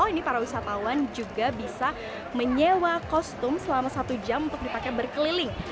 ini para wisatawan juga bisa menyewa kostum selama satu jam untuk dipakai berkeliling